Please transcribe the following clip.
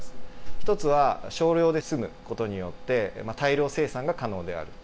１つは少量で済むことによって、大量生産が可能である。